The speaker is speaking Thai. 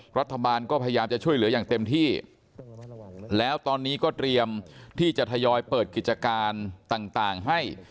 รัฐบาลก็พยายามจะช่วยเหลืออย่างเต็มที่แล้วตอนนี้ก็เตรียมที่จะทยอยเปิดกิจการต่างให้